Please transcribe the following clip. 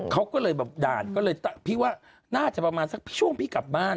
เขาก็เลยแบบด่านก็เลยพี่ว่าน่าจะประมาณสักช่วงพี่กลับบ้าน